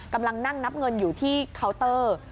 กำลังนั่งนับเงินอยู่ที่เคาน์เตอร์